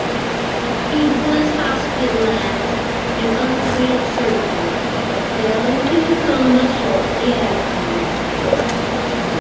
He was hospitalised and underwent surgery, but fell into a coma shortly afterwards.